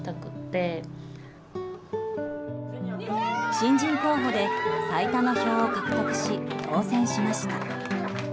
新人候補で、最多の票を獲得し当選しました。